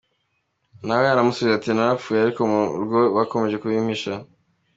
Nawe aramusubiza ati: "Narapfuye, ariko mu rugo bakomeje kubimpisha.